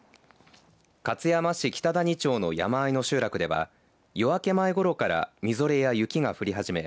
勝山市北谷町の山あいの集落では夜明け前ごろからみぞれや雪が降り始め